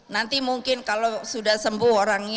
nanti mungkin kalau sudah sembuh orangnya